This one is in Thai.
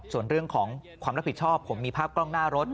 ส่วนเรื่องของความรับผิดชอบผมมีภาพกล้องหน้ารถ